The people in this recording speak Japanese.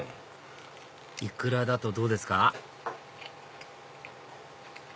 イクラだとどうですか？